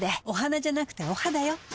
お花じゃなくてお肌よ。